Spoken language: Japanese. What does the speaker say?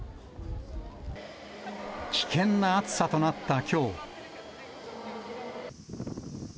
危険な暑さとなったきょう。